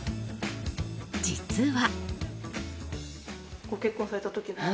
実は。